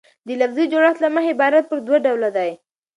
د لفظي جوړښت له مخه عبارت پر دوه ډوله ډﺉ.